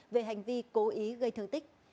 về hành vi cố ý gây thương tích